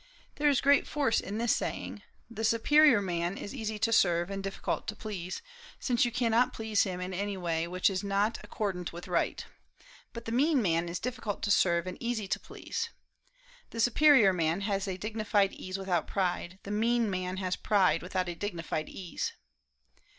There is great force in this saying: "The superior man is easy to serve and difficult to please, since you cannot please him in any way which is not accordant with right; but the mean man is difficult to serve and easy to please. The superior man has a dignified ease without pride; the mean man has pride without a dignified ease."